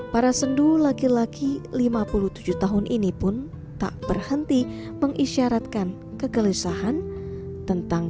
para sendu laki laki lima puluh tujuh tahun ini pun tak berhenti mengisyaratkan kegelisahan tentang